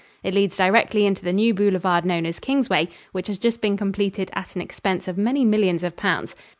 It leads directly into the new boulevard known as Kingsway, which has just been completed at an expense of many millions of pounds.